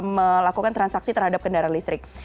melakukan transaksi terhadap kendaraan listrik